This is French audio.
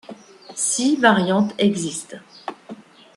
Six variantes existent.